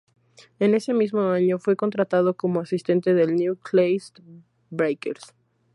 En ese mismo año, fue contratado como asistente del Newcastle Breakers.